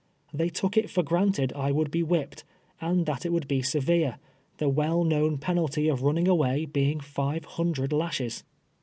Tliey took it for granted I would be whip ped, and that it would be severe, the well known pen alty of running away being five hundred lashes.